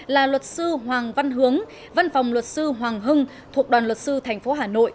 là luật sư hoàng văn hướng văn phòng luật sư hoàng hưng thuộc đoàn luật sư tp hà nội